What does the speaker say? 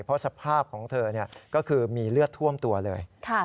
เพราะสภาพของเธอก็คือมีเลือดท่วมตัวเลย